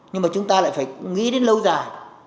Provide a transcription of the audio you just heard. nhưng mà chúng ta lại phải nghĩ đến lâu dài